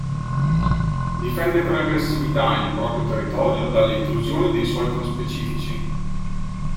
Difende con aggressività il proprio territorio dalle intrusioni di suoi conspecifici.